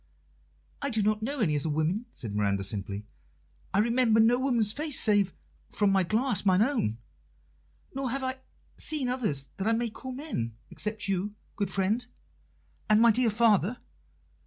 "I do not know any other woman," said Miranda simply. "I remember no woman's face save, from my glass, mine own. Nor have I seen others that I may call men, except you, good friend, and my dear father.